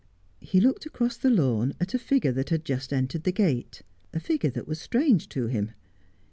He looked across the lawn at a figure that had just entered the gate, a figure that was strange to him.